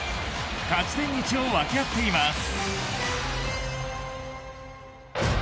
勝ち点１を分け合っています。